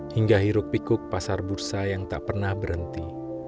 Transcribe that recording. hingga hiruk pikuk pasar bursa yang tak pernah berhenti